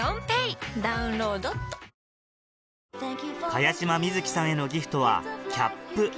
茅島みずきさんへのギフトはキャップ